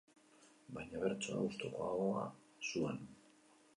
Baina bertsoa gustukoago zuen.